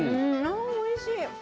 あおいしい。